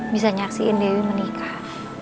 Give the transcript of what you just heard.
bisa nyaksiin dewi menikah